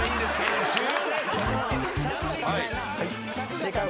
正解は。